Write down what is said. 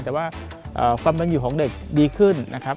แต่ว่าความเป็นอยู่ของเด็กดีขึ้นนะครับ